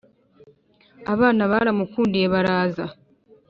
abana baramukundiye baraza